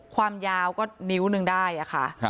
ความยาวก็นิ้วหนึ่งได้ค่ะ